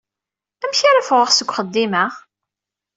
Amek ara ffɣeɣ seg uxeddim-a?